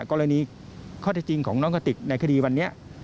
กรณีข้อที่จริงของน้องกติกในคดีวันนี้